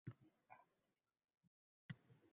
Tanbehlaru adolatsizliklarga chidashning oʻzi boʻladimi